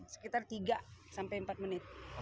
sekitar tiga sampai empat menit